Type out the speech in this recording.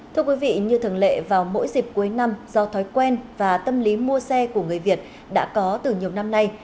thưa quý vị như thường lệ vào mỗi dịp cuối năm do thói quen và tâm lý mua xe của người việt đã có từ nhiều năm nay